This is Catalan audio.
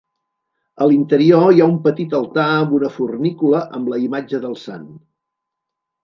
A l'interior hi ha un petit altar amb una fornícula amb la imatge del sant.